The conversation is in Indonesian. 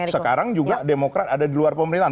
sekarang juga demokrat ada di luar pemerintahan